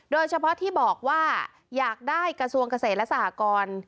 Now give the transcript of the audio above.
โดยเฉพาะที่บอกว่าอยากได้กระทรวงเกษตรและสหกร